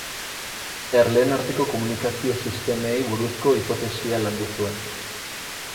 Erleen arteko komunikazio-sistemei buruzko hipotesia landu zuen.